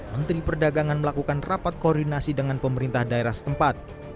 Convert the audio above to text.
menteri perdagangan melakukan rapat koordinasi dengan pemerintah daerah setempat